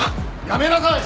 やめなさい！